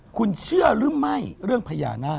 คุณเชื่อหรือไม่เรื่องพญานาค